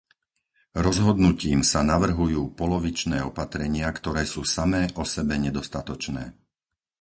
Rozhodnutím sa navrhujú polovičné opatrenia, ktoré sú samé osebe nedostatočné.